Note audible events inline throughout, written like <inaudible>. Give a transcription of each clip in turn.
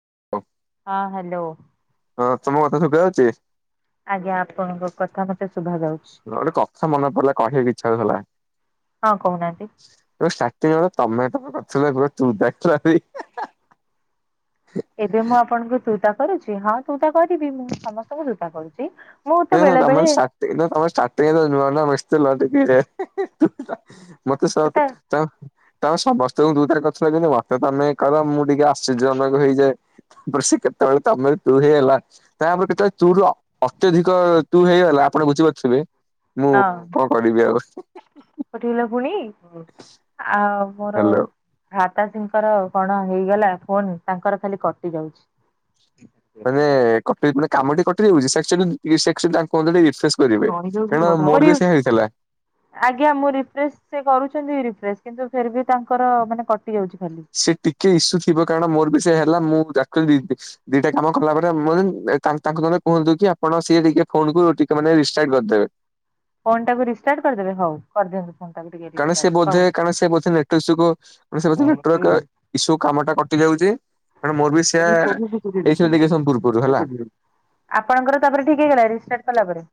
<inaudible> ହଁ ହ୍ୟାଲୋ। ହଁ ତମର କଥା ଶୁଭା ଯାଉଛି? ଆଜ୍ଞା ଆପଣଙ୍କ କଥା ମତେ ଶୁଭା ଯାଉଛି। ଗୋଟେ କଥା ମନେ ପଡିଲା କହିବାକୁ ଇଛାହଉଥିଲା। ହଁ କହୁନାନ୍ତି? ଗୋଟେ ତମେ ତମ କଛ ପ ତୁ ହେଁ ଏବେ ମୁଁ ଆପଣଙ୍କୁ ତୁତା କରୁଛି ହଁ ତୁତା କରିବି ମୁଁ ସମସ୍ତଙ୍କୁ ତୁତା କରୁଛି। ମୁଁ ତ ତେଣୁ ବେଳେ ବେଳେ ତମର ଷ୍ଟାର୍ଟିଂ ନ ତମର ଷ୍ଟାର୍ଟିଂ ରେ ନୂଆ ନୂଆ ମିଶିଥିଲ ଟିକେ ଯେ ହେଁ ହେଁ ତୁ ତା ମତେ ସେଟା <unintelligible> ତୁ ଚା ତମେ ସମସ୍ତଙ୍କ ଦୁ ଥାର ଗଛ ଦେଇଛନ୍ତି ମତେ ତମେ କହ ମୁଁ ଟିକେ ଆଶ୍ଚର୍ଯ୍ୟଜନକ ହେଇଯାଏ। ତାପରେ ସେ କେତେବେଳେ ତମେ ରୁ ତୁ ହେଇଗଲା ତାପରେ କେତେବେଳେ ତୁ ର ଅତ୍ୟଧିକ ତୁ ହେଇଗଲା ଆପଣ ବୁଝିପାରୁଥିବେ ମୁଁ କଣ କରିବି ଆଉ? ପଠିଗଲା ପୁଣି ଆଉ ମୋର ହ୍ୟାଲୋ। ମାତାଜିଙ୍କର କଣ ହେଇଗଲା ଫୋନ ତାଙ୍କର ଖାଲି କଟି ଯାଉଚି। ମାନେ କଟି ମାନେ କାମଟି କଟିଯାଉଚି ସେକ୍ସନ ପ୍ଲିସେକ୍ସନ ତାଙ୍କ ମଧ୍ୟ ଦେଇ <unintelligible> ଆଜ୍ଞା ମୁଁ ରିଫ୍ରେଶ ସେ କରୁଚନ୍ତି। ପ୍ରେସ କିନ୍ତୁ ଫିରବି ତାଙ୍କର ମାନେ ଯାଉଛି ଖାଲି। ସେ ଟିକେ ଇସୁ ଥିବ କାରଣ ମୋର ବି ସେ ହେଲା ମୁଁ <unintelligible> ରିଫିସ୍କି ଦିଟା କାମ କଲା ପରେ ମୁଁ ଯାଇଚୁ ତା ତାଙ୍କ ଘରେ କୁହନ୍ତୁ କି ଆପଣ ସିଏ ଟିକେ ଫୋନ କୁ ମାନେ ରିଷ୍ଟାର୍ଟ କରିଦେବେ। ଫୋନ୍ ଟାକୁ ରିଷ୍ଟାର୍ଟ କରିଦେବେ ହଉ କରିଦେ କାରଣ ସେ ବୋଧେ କାରଣ ସେ ବୋଧେ ନେଟୱର୍କ ଯୋଗୁ <unintelligible> ନେଟୱର୍କ ଇସୁ କାମ ଇ ଯାଉଚି ତ ମୁଁ ବି ସେଆ ଏଇସମ୍ ଲିଗେଶମ ପୂର୍ବରୁ ହେଲା। ଆପଣଙ୍କର ତାପରେ ଠିକ ହେଇଗଲା ରେଜିଷ୍ଟାର୍ କଲା ପରେ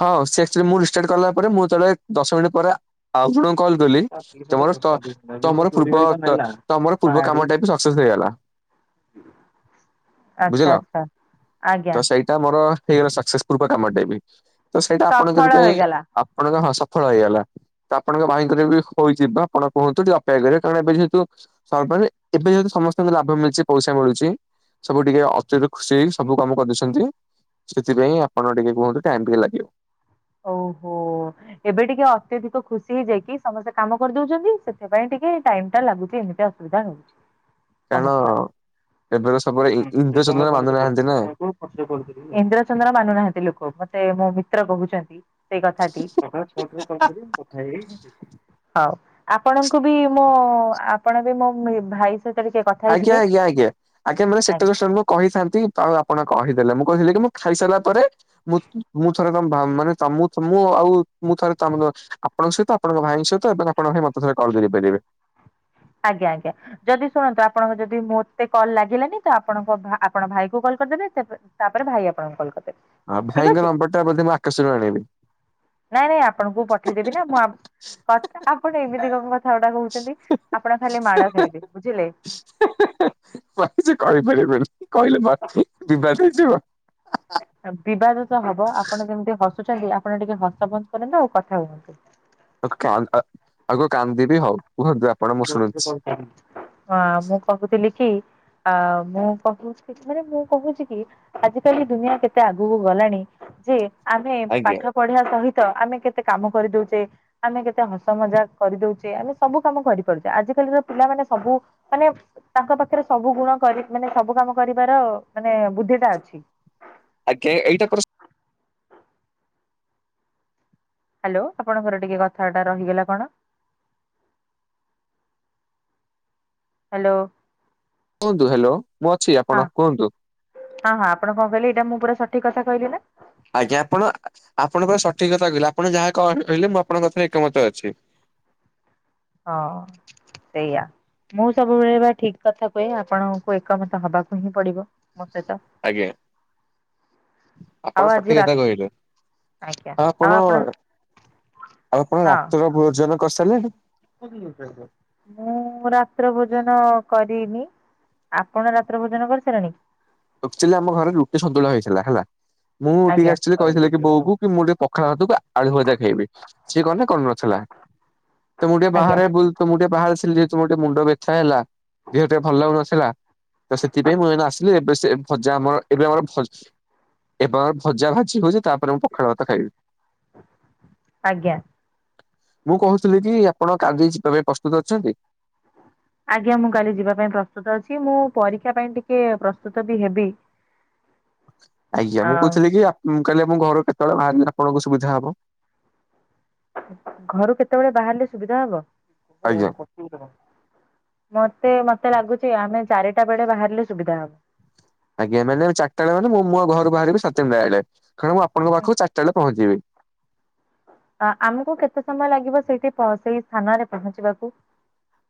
ହଁ ସେ ସେ ମୁ ରିଷ୍ଟାର୍ଟ କଲା ପରେ ମୁଁ ଯେତେବେଳେ ଦଶ ମିନିଟ୍ ପରେ ଆଉ କଲଥୁଲି ତମର ତ ତମର ପୂର୍ବ ଦ ତମର ପୂର୍ବ କାମଟା ବି ସକ୍ସେସ୍ ହେଇଗଲା। ହୁଁ ବୁଝିଲ ତ ସେଇଟା ମୋର ହେଇଗଲା ସକ୍ସେସ ପୂର୍ବ କାମଟେ ବି ତ ସେଇଟା ଆପଣ ସଫଳ କରିବେ ହେଇଗଲା ଆପଣଙ୍କ ଫଳ ହେଇଗଲା ତ ଆପଣଙ୍କ ଭାଇଙ୍କରେ ବି ହଉଯିବ ଆପଣ କୁହନ୍ତୁ ଟିକେ ଅପେକ୍ଷା କରେ କାରଣ ଏବେ ଯେହେତୁ ମାନେ ଏବେ ଯଦି ସମସ୍ତଙ୍କୁ ଲାଭ ମିଳୁଚି ପଇସା ମିଳୁଚି ସବୁ ଟିକେ ଅଚଯୋକ ସେଇ ସବୁ କାମ କରିଦେଉଛନ୍ତି। ସେଥିପାଇଁ ଆପଣ ଟିକେ କୁହନ୍ତୁ ଟାଇମ ଟିକେ ଲାଗିବ। ଓହୋ। ଏବେ ଟିକେ ଅତ୍ୟଧିକ ଖୁସି ହେଇଯାଇକି ସମସ୍ତେ କାମ କରିଦଚନ୍ତି ସେଥିପାଇଁ ଟିକେ ଟାଇମ ଟା ଲାଗୁଚି। ଅସବିଧା ହଉଚି। କାରଣ ଏବେ ତ ସବବି <inaudible> ଇନ୍ଦ୍ର ଚନ୍ଦ୍ର ମାନୁନାହାନ୍ତି ଲୋକ ମତେ ମୁଁ ର କହୁଚନ୍ତି ସେଇ କଥାଟି <inaudible> ହଉ ଆପଣଙ୍କୁ ବି ମୋ ଆପଣ ବି ମୋ ଭା ଆଜ୍ଞା ଆଜ୍ଞା ଆଜ୍ଞା ଆଜ୍ଞା ମାନେ ସେତା <unintelligible> ମୁଁ କହିଥାନ୍ତି ତ ଆଉ ଆପଣ କହିଦେଲେ କହିଥିଲେ କି ମୁଁ ଖାଇସାରିଲା ପରେ ମୁଁ ମୁଁ ଥରେ ମାମ ମାନେ <unintelligible> ମୁଁ ଆଉ ମୁଁ ଥରେ ତମକୁ ଆପଣଙ୍କ ସହିତ ଆପଣଙ୍କ ଭାଇଙ୍କ ସହିତ ଏବଂ ଆପଣ ଭାଇ ମତେ ଥରେ <unintelligible> କଲ ଦେଇ ପାରିବେ। ଆଜ୍ଞା ଆଜ୍ଞା ଯଦି ଶୁଣନ୍ତୁ ଆପଣଙ୍କ ଯଦି ମତେ କଲ୍ ଲାଗିଲାନି ତ ଆପଣଙ୍କ ଭା ଆପଣ ଭାଇ କୁ କଲ କରିଦେ ତେବେ ତାପରେ ଭାଇ ଆପଣଙ୍କୁ କଲ୍ କରି ଆଁ ଭାଇଙ୍କ ନମ୍ବରଟା ବୋଧେ ମୁଁ ଆକାଶରୁ ଆଣିବି। ନାଇଁ ନାଇଁ ଆପଣଙ୍କୁ ପଠେଇଦେବି ନା ମୁଁ କଥା ଆପଣ ଏମିତି କଣ କଥା କଥା ଗଟା କହୁଛନ୍ତି ଆପଣ ଖାଲି ମାଡ ଖାଇବେ ବୁଝିଲେ। <unintelligible> କହିପାରିବନି କହିଲେ <unintelligible> ବିବାଦ ହେଇଯିବ। ବିବାଦ ତ ହବ ଆପଣ <unintelligible> ଆପଣ ଟିକେ ହସ ବନ୍ଦ କରନ୍ତୁ ଆଉ କଥା ହୁଅନ୍ତୁ। ଆ କାଦା ଆଉ କାନ୍ଦିବି ହଉ। କୁହନ୍ତୁ ଆପଣ ମୁଁ ଶୁଣୁଛି। ହଁ ମୁଁ କହୁଥିଲି କି। ଆ ମୁଁ କହୁଛି ଥରେ ମୁଁ କହୁଛି କି ଆଜିକାଲି ଦୁନିଆ କେତେ ଆଗକୁ ଗଲାଣି। ଯେ ଆମେ ଆଜ୍ଞା ପାଠ ପଢିବା ସହି ଆମେ କେତେ କାମ କରିଦଉଛେ ଆମେ କେତେ ହସ ମଜା କରିଦଉଛେ ଆମେ ସବୁ ସବୁ କରିପାରୁଛି ଆଜିିକାଲିର ପିଲାମାନେ ସବୁ ମାନେ ତାଙ୍କ ପାଖରେ ସବୁ ଗୁଣ କରି ମାନେ ସବୁ କାମ କରି କରିବାର ମାନେ ବୁଦ୍ଧି ଟା ଅଛି। ଆଜ୍ଞା ଏଇଟା ପ୍ର ହ୍ୟାଲୋ ଆପଣଙ୍କର ଟିକେ କଥାଟା ରହିଗଲା କଣ? ହ୍ୟାଲୋ। କୁହନ୍ତୁ ହ୍ୟାଲୋ ମୁଁ ଅଛି ହଁ ଆପଣ କୁହନ୍ତୁ। ହଁ ହଁ ଆପଣ କଣ କହିଲେ ଏଇଟା ମୁଁ ପୁରା ସଠିକ କଥା କହିଲି ନା ଆଜ୍ଞା ଆପଣ ଆପଣଙ୍କ ସଠିକ କଥା କହିଲ ଆ ଆପଣ ଯାହା କ କହିଲେ ମୁଁ ଆପଣଙ୍କ କଥାରେ ଏକମତ ଅଛି। ହଁ। ସେଇଆ। ମୁଁ ସବୁବେଳେ ଠିକ କଥା କୁହେ ଆପଣଙ୍କୁ ଏକମତ ହବାକୁ ହିଁ ପଡିବ। ମୋ ସହିତ। ଆଜ୍ଞା ଆପଣ ଆଉ ଆଜି ସଠିକ ରା କଥା କହିଲେ ଆଜ୍ଞା ଆଉ ଆପଣ ଆପଣ ହଁ ରାତ୍ର ଭୋଜନ କରିସାରିଲେଣି? ମୁଁ ରା ରାତ୍ର ଭୋଜନ କରିନି ଆପଣ ରାତ୍ର ଭୋଜନ କରିସାରିଲେଣି? ଆଚୁଆଲି ଆମ ଘରେ ରୁଟି ସନ୍ତୁଳା ହେଇଥିଲା ହେଲା ମୁଁ ଟିକେ ଆଜ୍ଞା ଆକଚୁଆଲି କହିଥିଲ କି ବୋଉକୁ କି ମୁଁ ଟିକେ ପଖାଳ ହାତକୁ ଆଳୁ ଭଜା ଖାଇବି ସିଏ କହନା କଣ କରୁ ନଥିଲା। ତ ମୁଁ ଟିକେ ଆଜ୍ଞା ବାହାରେ ବୁଲ ତୁ ମୁଁ ଟିକେ ବାହାର ସି ର ଟିକେ ମୁଣ୍ଡ ବ୍ୟଥା ହେଲା ଦେହ ଟିକେ ଭଲ ଲାଗୁନଥିଲା ତ ସେଥିପାଇଁ ମୁଁ ଏ ଆସିଲି ଏବେ ସେ ଭଜା ଆମର ଏବେ ଆମର ଭ ଏବେ ଆମର ଭଜା ଭାଜି ହଉଛି ତା ମୁ ପଖାଳ ଭାତ ଖାଇବି। ଆଜ୍ଞା। ମୁଁ କହୁଥିଲି କି ଆପଣ କାଲି ଯିବାପାଇଁ ପ୍ରସ୍ତୁତ ଅଛନ୍ତି। ଆଜ୍ଞା ମୁଁ କାଲି ଯିବା ପାଇଁ ପ୍ରସ୍ତୁତ ଅଛି ମୁଁ ପରୀକ୍ଷା ପାଇଁ ଟିକେ ପ୍ରସ୍ତୁତ ବି ହେବି। ହୁ ଆଜ୍ଞା ମୁଁ କହୁଥିଲି କି କାଲି ମୁଁ ଘରୁ କେତେବେଳେ ବାହାରିଲେ ଆପଣଙ୍କୁ ସୁବିଧା ହବ? ଘରୁ କେତେବେଳେ ବାହାରିଲେ ସୁବିଧା ହବ? ଆଜ୍ଞା। ମତେ ମତେ ଲାଗୁଚି ଆମେ ଚାରିଟା ବେଳେ ବାହାରିଲେ ସୁବିଧା ହବ। ଆଜ୍ଞା ମାନେ ଚାରିଟା ବେଳେ ମାନେ ମୁଁ ଆଉ ଘରୁ ବାହାରିବି ସାତବେଳେ କଣ ମୁଁ ଆପଣଙ୍କ ପାଖକୁ ଚାରିଟା ବେଳେ ପହଞ୍ଚିବି। ଅ-ଆମକୁ କେତେ ସମୟ ଲାଗିବ ସେଠି ପ ସେଇ ସ୍ଥାନରେ ପହଞ୍ଚିବାକୁ?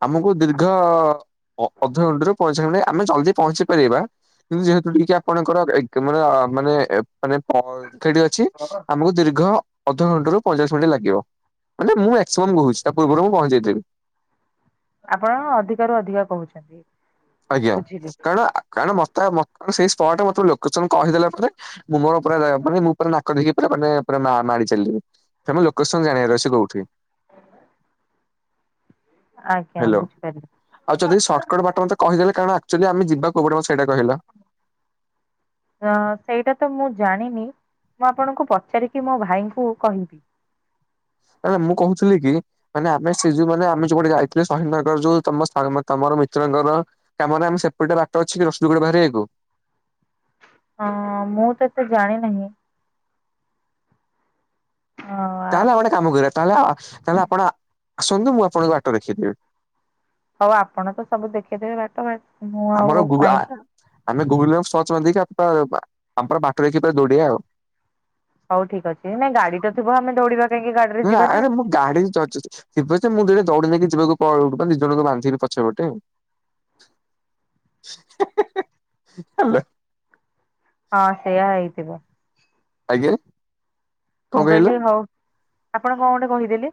ଆମକୁ ଦୀର୍ଘ ଅ-ଅଧଘଣ୍ଟା ରୁ ପଞ୍ଚଚାଳିଶ ମିନିଟ ଆମେ ଜଲଦି ପହଞ୍ଚି ପାରିବା। କିନ୍ତୁ ଯେହେତୁ ଟିକେ ଆପଣଙ୍କର ଏ ମାନେ ମାନେ ଏ ମାନେ <unintelligible> ଅଛି ଆମକୁ ଦୀର୍ଘ ଅଧଘଣ୍ଟ ରୁ ପଇଁଚାଳିଶ ମିନିଟ୍ ଲାଗିବ ମାନେ ମୁଁ ମକ୍ସିମମ୍ କହୁଛି ତା ପୂର୍ବରୁ ମୁଁ ପହଞ୍ଚେଇ ଦେବି। ଆପଣ ଅଧିକ ରୁ ଅଧିକ କହୁଚନ୍ତି। ଆଜ୍ଞା କାରଣ କାରଣ ମତେ ଆ ସେଇ ସ୍ଟେ ମୁର ଲୋକେସନ କହିଦେଲା ପରେ ମୁଁ ମୋର ପୁରା ମୁଁ ପୁର ନାକ ଧକି ପ ପ ମାଡ଼ି ଚାଲିବି। ସେମ ଲୋକେସନ ଜାଣିବାର ଅଛି କୋଉଠି। ଆଜ୍ଞା ହ୍ୟାଲୋ ବୁଝିପାରିଲି। ଆଉ ଯଦି ସର୍ଟକଟ ବାଟ ମତେ କହିଦେଲେ। କାରଣ ଆକ୍ଚୁଆଲି ଆମେ ଯିବାକୁ ପଡିବ ସେଇଟା କହିଲ। ଅ ସେଇଟା ତ ମୁଁ ଜାଣିନି। ମୁଁ ଆପଣଙ୍କୁ ପଚାରିକି ମୋ ଭାଇଙ୍କୁ କହିବି ନ ମୁଁ କହୁଥିଲି କି ମାନେମେ ସେ ଯୋଉ ମାନେ ଆମେ ଯୋଉଟେ ଯାଇଥିଲଥିଲେ ଶହିନ ନଗର ଯୋଉ ତମ ତମ। ମର ମିତ୍ରଙ୍କର କାମରେ ଆମେ ସେପଟେ ବାଟ ଅଛି କି ରସଲ ଗୋଡେ ବାହାରିବାକୁ। ହଁ ମୁଁ ତ ଏତେ ଜାଣି ନାହିଁ। ହଁ ତାହେଲେ ଆମେ ଗୋଟେ କାମ କରିବା ତାହେଲେ ତାହେଲେ ଆପଣ ଆସନ୍ତୁ ମୁଁ ଆପଣଙ୍କ ବାଟ ରଖେଇଦେବି ହଉ ଆପଣ ତ ସବୁ ଦେଖେଇଦେବେ ବାଟ ବାଟ ମୁଁ ଆମର ଆଉଉ ଗୁ ଆ କାହିଁକି? ଆମେ ଗୁଗୁଲରେ ସର୍ଚ୍ଚ ମାରିଦେଇକି ଆମର ବାଟ ଦେଖି ପୁରା ଦୌଡ଼ିବା ଆଉ? ହଉ ଠିକ୍ ଅଛି ନାଇଁ ଗାଡି ତ ଥିବ ଆମେ ଦୌଡିବା କାହିଁକି ଗାଡିରେ ନ ଯିବା ନା। ଆରେ ମୁଁ ଗାଡି ଚଚୁଛି ଥୀବଯେ ମୁଁ ଥିରେ ଥୀରେ ଦଉଡି ନେଇକି କିଛି ଲୋକ ନିଜ ଲୋକ ବାନ୍ଧିକି ପଛପଟେ ହାଲୋ। ହଁ ସେୟା ହେଇଥିବ। ଆଜ୍ଞା। କଣ ମୁଁ କହିଲ? କହିଲି ହଉ ଆପଣ କଣ ଗୋଟେ କହିଦେଲେ?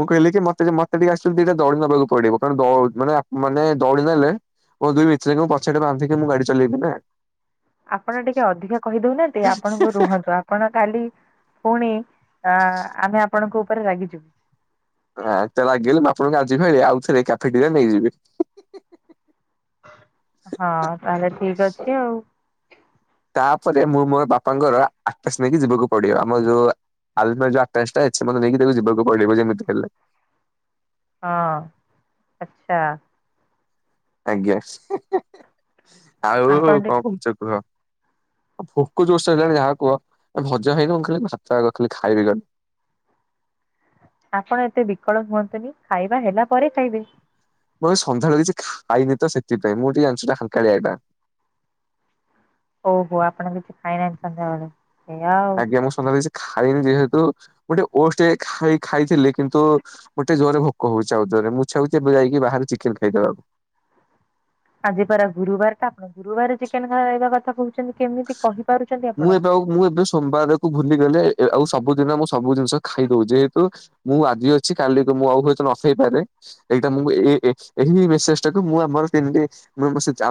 ମୁଁ କହିଲି କି ମତେ ମତେ ଟିକେ ଆସିକି ଦିଟା ଦୌଡି ନେବାକୁ ପଡିବ କାରଣ ମାନେ ମାନେ ଦୌଡି ନେଲେ। ମୁଁ ଦୁଇ ମିତ୍ରଙ୍କୁ ପଛଆଡେ ବାନ୍ଧିକି ମୁଁ ଗାଡି ଚଲେଇବି ନା। ଆପଣ ଟିକେ ଅଧିକା କହିଦଉନାହାନ୍ତି ଆପଣଙ୍କୁ ରୁହନ୍ତୁ ଆପଣ କାଲି ପୁଣି ଅ ଆମେ ଆପଣଙ୍କ ଉପରେ ରାଗିଯିବୁ ହ ତ ରହିଲେ ଆପଣଙ୍କୁ ଆଜି ନୁହେଁ ଆଉଥରେ କ୍ୟାଫେଟେ ନେଇଯିବି। ହଁ ତାହେଲେ ଠିକ ଅଛି ଆଉ। ଆପରେ ମୁଁ ମୋର ବାପାଙ୍କର ଆପାଶ ନେଇକି ଯିବାକୁ ପଡିବ ଆମର ଯୋଉ ଆଲମର ଯଉ ଆପାସ ଟା ନେଇେକି ଜୀବାକୁ ପଡ଼ିବ ଯେମିତି ହେଲେ। ହଁ ଆଛା। ଆଜ୍ଞା ଆଉ କଣ କହୁଛ କୁହ? ହ। ଭୋକ ଜୋରସେ ହେଲାଣି ଯାହା କୁହ ଭଜା ହେଇକି ମୁଁ ଖାଲି ଭାତ ଖାଇଦେବୀ। ଆପଣ ଏତେ ବିକଳ ହୁଅନ୍ତୁନି ଖାଇବା ହେଲା ପରେ ଖାଇବେ ମୁଁ ସନ୍ଧ୍ୟାବେଳେ କିଛି ଖାଇନି ତ ସେଥିପାଇଁ ମୁଁ ଟିକେ ଅଚୋଲ ରେ ହାଲୁକାଟା ଓହୋ ଆପଣ କିଛି ଖାଇନାହାନ୍ତି ସନ୍ଧ୍ୟାବେଳେ। ସେଇଆ ଆଉ। ଆଜ୍ଞା ମୁଁ ସନ୍ଧ୍ୟାବେଳେ ଖାଇନି ଯେହେତୁ ଗୋଟେ ଓଷ୍ଟ ଖାଇ ଖାଇଥିଲି କିନ୍ତୁ ମତେ ଜୋରରେ ଭୋକ ହଉଛି ଆଉ ଥରେ ମୋର ଇଚ୍ଛା ହୋଉଛି ଏବେ ଯାଇକି ବାହାରୁ ଚିକେନ ଖାଇଦବାକୁ ଏ ଆଜି ପରା ଗୁରୁବାର ଟା ଆପଣ ଗୁରୁବାର ଚିକେନ ଖାଇବା କଥା କୋହୁଛନ୍ତି କେମିତି କହିବି? ମୁଁ ଏବେ ଆଉ ମୁଁ ଏବେ ସୋମବାରକୁ ଭୁଲିଗଲେ ଆଉ ସବୁଦିନ ମୁଁ ସବୁ ଜିନିଷ ଖାଇଦୋଉଛି ଯେହେତୁ ମୁଁ ଆଜି ଅଛି କାଲି କି ମୁଁ ଆଉ ହୁଏତ ନ ଖାଇପାରେ ଏଇଟା ମୁ ମେସେଜ ଟାକୁ ମୁଁ ଆମର ତିନ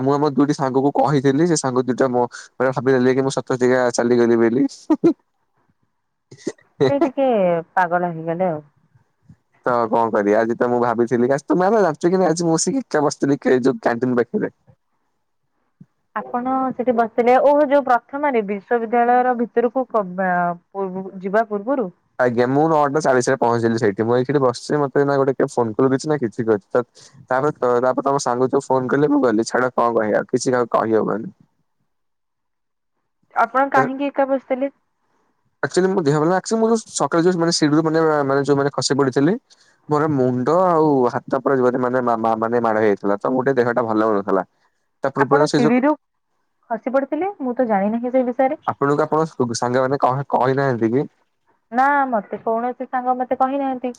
ମୁ ଆମ ଦୁଇଟି ସାଙ୍ଗକୁ ପାଖକୁ କହିଥିଲି ସେ ସାଙ୍ଗ ଦିଇଟା ମୋ ଭାବିଦେଲେ କି ମୁଁ ସତରେ ଚାଲିଗଲି ବୋଲି ସେଇ ଟିକେ ପାଗଳ ହେଇଗଲେ ଆଉ। ତ କଣ କରିବା ଆଜି ତ ମୁଁ ଭାବିଥିଲି କି ଆଜି ମୁଁ ସେ ଏକା ବସିଥିଲି ଯୋଉ କ୍ୟାଣ୍ଟିନ ପାଖରେ ପାଖରେ ହ ଆପଣ ସେଠି ବସିିଲେ ଓହ ଯୋଉ ପ୍ରଥମ ରେ ବିଶ୍ଵବିଦ୍ୟାଳୟ ର ଭିତରକୁ ପ୍ରବେଶ ଯିବା ପୂର୍ବରୁ ଆଜ୍ଞା ମୁଁ ନଅ ଟା ଚାଳିଶରେ ପହଞ୍ଚିଥିଲି ସେଇଠ ମୁଁ ଏଇଠି ବସିଛି ମତେ ଗୋଟେ ଫୋନ କଲ୍ କରିଛି ନା କିଛି ଅଛି। ତାପରେ ତାପରେ ତମ ସାଙ୍ଗ ଫୋନ କଲେ, ମୁଁ ଗଲିି ଛାଡ କଣ କହିବା କିଛି ତ କହିହବନି। ସ ଆକଚୋଲି ମୋ ଦେହ ସକାଲୁ ସିଡି ରୁ ମାନେ ଯୋଉ ମାନେ ଖସିପଡିଥିଲି ମୋର ମୁଣ୍ଡ ଆଉ ହାତ ଯୁବତୀ ମାନେ ମାନେ ମାଡ ହେଇଯାଇଥିଲା ତ ମୋର ଦେହଟା ଭଲ ଲାଗୁନଥିଲା। ତା ପୂର୍ବରୁ ଆପଣ ସେ ଯୋଉ ଶିଡିିରୁୁ ଖସି ପଡିଥିଲେ ମୁଁ ତ ଜାଣିିନାହିଁ ଏଯାୟ ଆପଣଙ୍କୁ ଆପଣ ସାଙ୍ଗମାନେ କହିନାହାନ୍ତିକି? ନା ମତେ କୌଣସି ସାଙ୍ଗ ମତେ କହିନାହାନ୍ତି।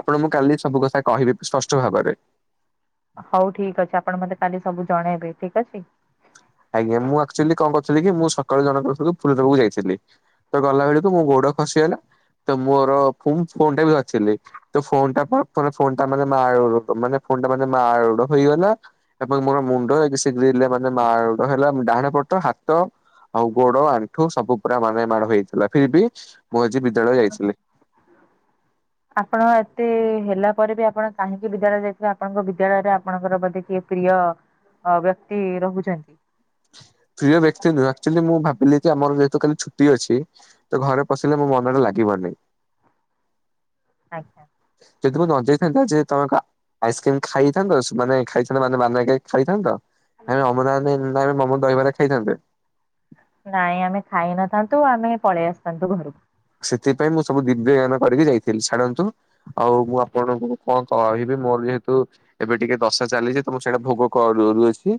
ଆପଣ ମୁଁ କାଲି ସବୁ କଥା କହିବି ସ୍ପଷ୍ଟ ଭାବରେ ହଉ ଠିକ୍ ଅଛି ଆପଣ ମତେ କାଲି ସବୁ ଜଣେଇବେ ଠିକ୍ ଅଛି। ଆଜ୍ଞା ମୁଁ ଆକଚୋଲି କଣ କରିଥିଲି, କି ମୁଁ ସକାଳୁ ଜଣକୁ ଫୁଲ ଦେବାକୁ ଯାଇଥିଲି ତ ଗଲା ବେଳକୁ ମୋ ଗୋଡ ଗୋଡ ଖସିଗଲା। ତ ମୋର ଫୋନ ଟା ବି ଧରିଥିଲି ଫୋନ ଟା ମାନେ ମାନେ ଫୋନ୍ ଟା ମାଡ ହେଇଗଲା ଏବଂ ମୋର ମୁଣ୍ଡ ସିଯିଯାଇଥିଲ। ହେଲା ଡାହାଣ ପଟ ହାତ ଆଉ ଗୋଡ ଆଣ୍ଠୁ ସବୁ ପୁରା ମାନେ ମାଡ ହେଇଥିଲା ଫର ବି ମୁଁ ଆଜି ବିଦ୍ୟାଳୟ ଯାଇଥିଲି। ଆପଣ ଏତେ ହେଲା ପରେ ବି ଆପଣ କାହିଁକି ବିଦ୍ୟାଳୟ ଯାଇଥିବେ, ଆପଣଙ୍କ ବିଦ୍ୟାଳୟରେ ଆପଣଙ୍କର ବୋଧେ କିଏ ପ୍ରିୟ ଅ ବ୍ୟକ୍ତି ରହୁଛନ୍ତି। ବ ଆମର ଯେହେତୁ କାଲି ଛୁଟି ଅଛି, ତ ଘରେ ପଶିଲେ ମୋ ମନ ଟା ଲାଗିବନିଁ। ଆଚ୍ଛା। ଯଦି ମୁ ନଯେଇଥାନ୍ତା ଯେ ତମେ ଆଇସ୍କ୍ରିମ ଖାଇଥାନ୍ତ, ମାନେ ଖାଇଥାନ୍ତତା ମାନେ ମାନ ଖାଇଥାନ୍ତତା। ଆ ଅମଦ ମମ ଦହିବାରେ ଖାଇଥାନ୍ତେ। ନାଇଁ ଆମେ ଖାଇ ନଥାନ୍ତୁ ଆମେ ପଳେଇ ଆସିଥାନ୍ତୁ ଘରୁକୁ ସେଥିପାଇଁ ମୁଁ ସବୁ ଦିବ୍ୟ ଯାନ କରିକି ଯାଇଥିଲି, ଛାଡନ୍ତୁ ଆଉ ମୁଁ ଆପଣଙ୍କୁ କଣ କହିବି। ମୋର ଯେହେତୁ ଏବେ ଟିକେ ଦଶା ଚାଲିଛି ତମ ସେଇଟା ଭୋଗ କର ଅଛି।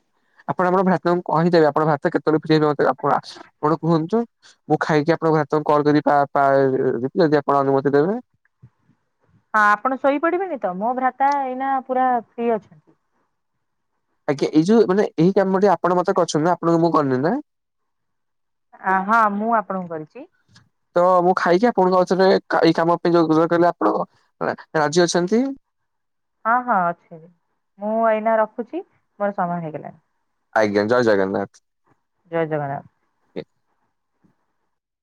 ଆପଣ ଆମ ଭାରତ ପ କହିଞ୍ଚିିବବେ ଆପଣ ଭାରତେବେଳେ ଆପ ଆପଣ କୁହନ୍ତୁ ମୁଁ ଖାଇକି ଆପଣଙ୍କାତ କଲ କରିବା। ଯଦି ଆପଣ ଅନୁମତି ଦେବେ ହଁ ଆପଣ ଶୋଇପଡିବେନି ତ ମୋ ଭ୍ରାତା ଏଇନା ପୁରା ଫି ଅଛନ୍ତି। ଆଜ୍ଞା ଏଇ ଯୋଉ ମାନେ ଏଇ କାମ ଟିକେ ଆପଣ ମତେ କରିଛନ୍ତି ନା ଆପଣଙ୍କୁ ମୁଁ କରିନି ନା। ହଁ ମୁଁ ଆପଣଙ୍କୁ କରିଛି। ତ ମୁଁ ଖାଇକି ଆପଣଙ୍କ ଅଛରେ ଏଇ କାମ ପାଇଁ ଯୋ ରୋଜାର କିଲେ ଆପଣ ରାଜି ଅଛନ୍ତି। ହଁ ହଁ ଅଛି ମୁଁ ଏଇନା ରଖୁଛି ମୋର ସମୟ ହେଇଗଲାଣି। ଆଜ୍ଞା ଜୟ ଜଗନ୍ନାଥ ଜୟ ଜଗନ୍ନାଥ।